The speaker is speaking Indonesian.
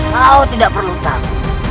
kau tidak perlu tahu